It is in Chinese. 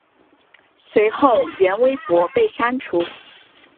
随后原微博被删除。